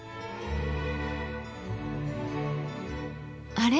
あれ？